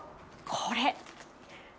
これ。